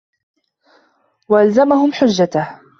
وَأَلْزَمَهُمْ حُجَّتَهُ